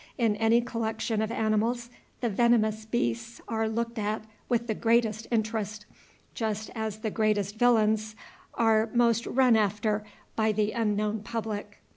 In any collection of animals the venomous beasts are looked at with the greatest interest, just as the greatest villains are most run after by the unknown public.